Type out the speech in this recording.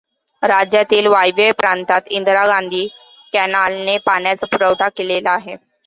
राज्यातील वायव्य प्रांतात इंदिरा गांधी कॅनाल ने पाण्याचा पुरवठा केलेला आहे.